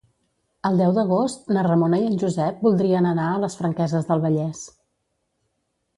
El deu d'agost na Ramona i en Josep voldrien anar a les Franqueses del Vallès.